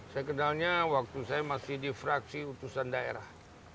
saya kenalnya waktu saya masih di fraksi utusan daerah